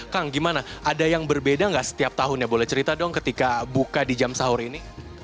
kang gimana ada yang berbeda nggak setiap tahunnya boleh cerita dong ketika buka di jam sahur ini